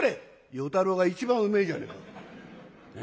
「与太郎が一番うめえじゃねえか」。